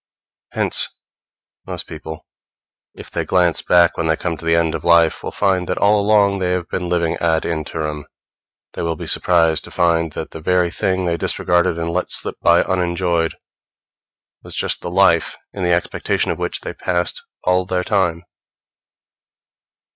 Hence most people, if they glance back when they come to the end of life, will find that all along they have been living ad interim: they will be surprised to find that the very thing they disregarded and let slip by unenjoyed, was just the life in the expectation of which they passed all their time.